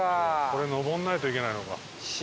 これ上らないといけないのか。